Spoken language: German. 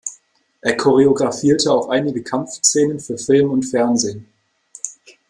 Er choreographierte auch einige Kampfszenen für Film und Fernsehen.